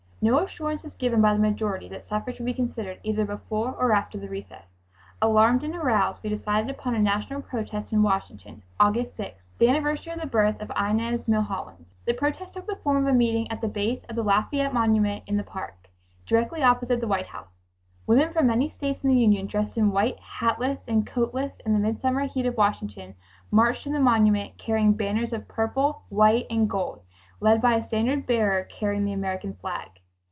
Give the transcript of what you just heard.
No assurance was given by the majority that suffrage would be considered either before or after the recess. Alarmed and aroused, we decided upon a national protest in Washington August 6th, the anniversary of the birth of Inez Milholland. The protest took the form of a meeting at the base of the Lafayette monument in the park, directly opposite the White House. Women from many states in the Union, dressed in white, hatless and coatless in the midsummer heat of Washington, marched t0 the monument carrying banners of purple, white and gold, led by a standard bearer carrying the American flag.